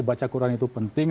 baca quran itu penting